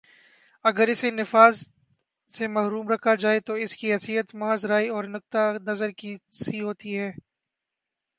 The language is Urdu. اگر اسے نفاذ سے محروم رکھا جائے تو اس کی حیثیت محض رائے اور نقطۂ نظر کی سی ہوتی ہے